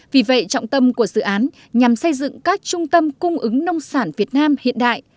vì vậy trọng tâm của dự án nhằm xây dựng các trung tâm cung ứng nông sản việt nam hiện đại